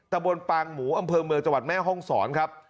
ตะบนปางหมูอำเภอเมืองจังหวัดแม่ห้องศรครับ